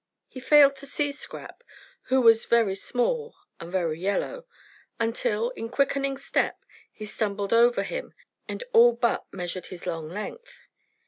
He failed to see Scrap, who was very small and very yellow, until, in quickening step, he stumbled over him and all but measured his long length.